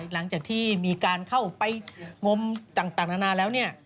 หลังจากที่มีการเข้าไปงมต่างนานาแล้วเนี่ย